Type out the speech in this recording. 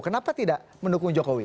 kenapa tidak mendukung jokowi